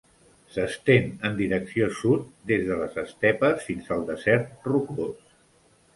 S'estén en direcció sud des de les estepes fins al desert rocós.